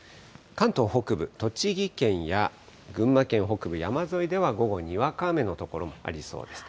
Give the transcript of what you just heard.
関東北部、栃木県や群馬県北部山沿いでは午後、にわか雨の所もありそうです。